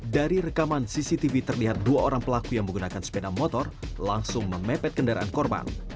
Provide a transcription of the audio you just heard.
dari rekaman cctv terlihat dua orang pelaku yang menggunakan sepeda motor langsung memepet kendaraan korban